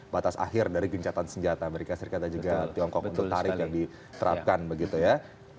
batas akhir dari gencatan senjata amerika serikat dan juga tiongkok untuk tarif yang diterapkan begitu ya